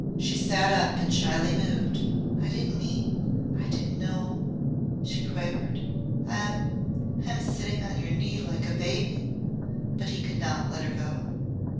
She sat up and shyly moved. "I didn't mean I didn't know !" she quavered. "I am I am sitting on your knee like a baby!" But he could not let her go.